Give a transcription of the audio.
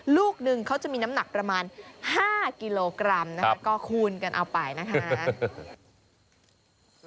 ลูกนึงเขาจะมีน้ำหนักประมาณ๕กิโลกรัมนะคะก็คูณกันเอาไปนะคะ